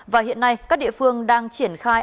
và hiện nay các địa phương đang triển khai